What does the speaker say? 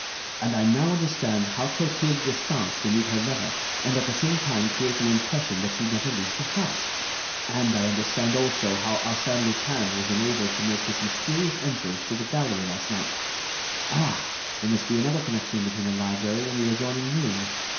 And I now understand how Clotilde Destange can meet her lover and at the same time create the impression that she never leaves the house; and I understand also how Arsène Lupin was enabled to make his mysterious entrance to the gallery last night. Ah! there must be another connection between the library and the adjoining room.